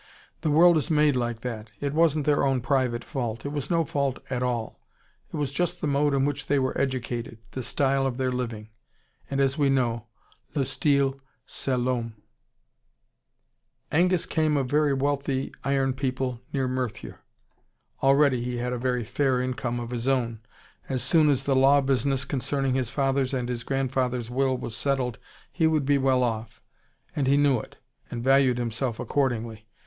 The world is made like that. It wasn't their own private fault. It was no fault at all. It was just the mode in which they were educated, the style of their living. And as we know, le style, c'est l'homme. Angus came of very wealthy iron people near Merthyr. Already he had a very fair income of his own. As soon as the law business concerning his father's and his grandfather's will was settled, he would be well off. And he knew it, and valued himself accordingly.